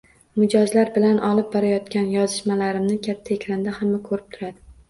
Mijozlar bilan olib borayotgan yozishmalarimni katta ekranda hamma koʻrib turadi.